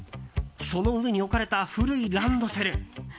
その上に置かれた古いランドセル。